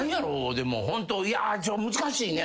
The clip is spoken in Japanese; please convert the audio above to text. でもホント難しいね。